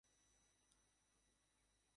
সে একটু বেশী কথা বলে।